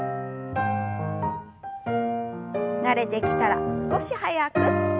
慣れてきたら少し早く。